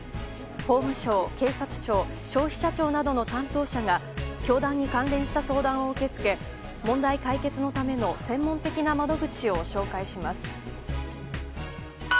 法務省、警察庁、消費者庁などの担当者が教団に関連した相談を受け付け問題解決のための専門的な窓口を紹介します。